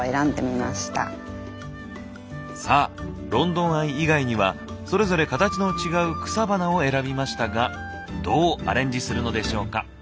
さぁロンドンアイ以外にはそれぞれカタチの違う草花を選びましたがどうアレンジするのでしょうか？